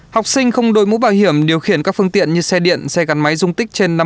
học sinh không đội mũ bảo hiểm điều khiển các phương tiện như xe điện xe gắn máy dung tích trên năm mươi